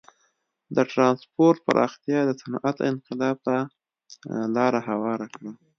د ټرانسپورت پراختیا د صنعت انقلاب ته لار هواره کړه.